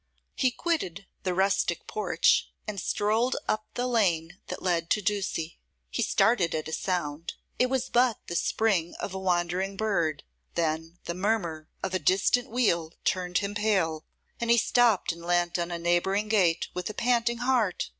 He quitted the rustic porch, and strolled up the lane that led to Ducie. He started at a sound: it was but the spring of a wandering bird. Then the murmur of a distant wheel turned him pale; and he stopped and leant on a neighbouring gate with a panting heart.